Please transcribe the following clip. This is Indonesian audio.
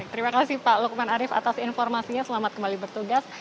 terima kasih pak lukman arief atas informasinya selamat kembali bertugas